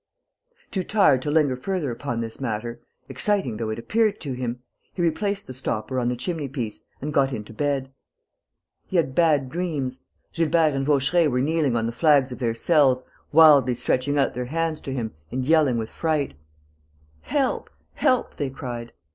Too tired to linger further upon this matter, exciting though it appeared to him, he replaced the stopper on the chimney piece and got into bed. He had bad dreams. Gilbert and Vaucheray were kneeling on the flags of their cells, wildly stretching out their hands to him and yelling with fright: "Help!... Help!" they cried.